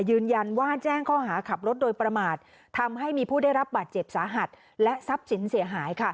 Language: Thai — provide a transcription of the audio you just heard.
ยืนยันว่าแจ้งข้อหาขับรถโดยประมาททำให้มีผู้ได้รับบาดเจ็บสาหัสและทรัพย์สินเสียหาย